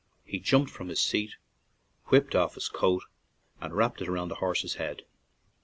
He jumped from his seat, whipped off his coat, and wrapped it round the horse's head.